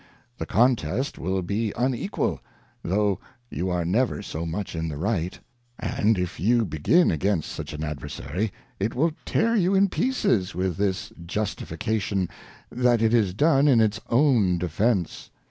The Contest will be unequal, though you are never so much in the right ; and if you begin against such an Adversary, it will tear you in pieces, with this Justification, That it is done in its own defence.